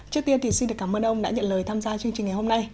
trước tiên thì xin được cảm ơn ông đã nhận lời tham gia chương trình ngày hôm nay